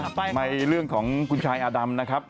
ไปเรื่องของคุณชายอาดำนะครับ